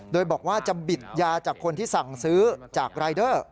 โดยบอกว่าจะบิดยาจากคนที่สั่งซื้อจากรายเดอร์